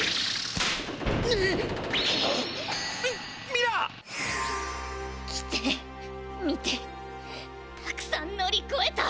ミミラ！来て見てたくさん乗りこえた。